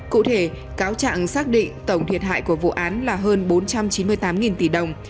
cụ thể cáo trạng xác định tổng thiệt hại của vụ án là hơn bốn trăm chín mươi tám tỷ đồng